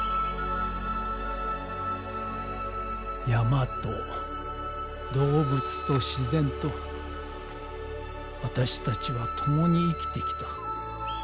山と動物と自然と私たちは共に生きてきた。